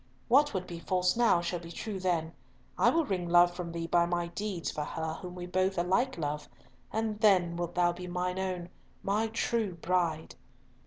"What would be false now shall be true then. I will wring love from thee by my deeds for her whom we both alike love, and then wilt thou be mine own, my true Bride!"